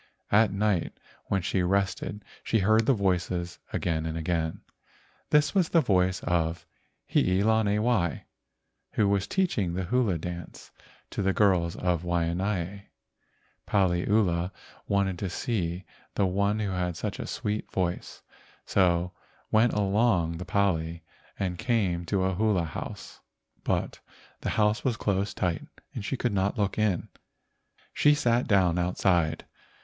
At night when she rested she heard the voices again and again. This was the voice of Hii lani wai, who was teaching the hula dance to the THE MAID OF THE GOLDEN CLOUD 137 girls of Waianae. Paliula wanted to see the one who had such a sweet .voice, so went along the pali and came to a hula house, but the house was closed tight and she could not look in. She sat down outside.